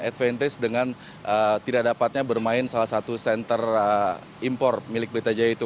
advantage dengan tidak dapatnya bermain salah satu center impor milik pelita jaya itu